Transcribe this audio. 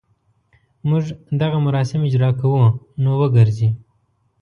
موږ دغه مراسم اجراء کوو نو وګرځي.